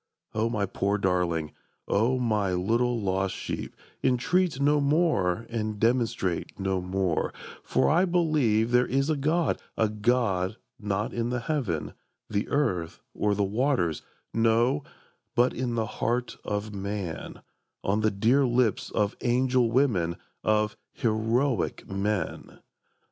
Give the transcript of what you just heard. O my poor darling, O my little lost sheep, Entreat no more and demonstrate no more; For I believe there is a God, a God Not in the heaven, the earth, or the waters; no, But in the heart of man, on the dear lips Of angel women, of heroic men!